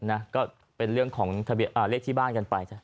นะก็เป็นเรื่องของเลขที่บ้านกันไป